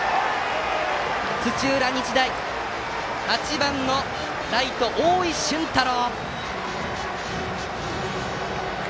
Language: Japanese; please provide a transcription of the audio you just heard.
土浦日大、８番のライト大井駿一郎。